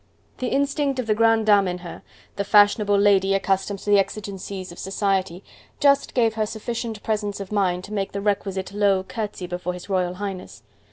The instinct of the grande dame in her, the fashionable lady accustomed to the exigencies of society, just gave her sufficient presence of mind to make the requisite low curtsey before His Royal Highness.